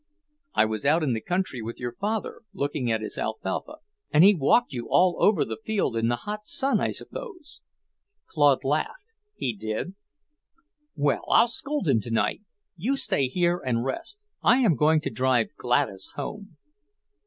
"I was out in the country with your father, looking at his alfalfa." "And he walked you all over the field in the hot sun, I suppose?" Claude laughed. "He did." "Well, I'll scold him tonight. You stay here and rest. I am going to drive Gladys home."